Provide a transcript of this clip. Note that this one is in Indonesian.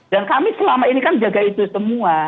dan kami selama ini kan jaga itu semua